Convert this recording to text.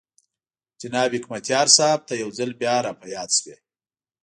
جناب حکمتیار صاحب ته یو ځل بیا را په یاد شوې.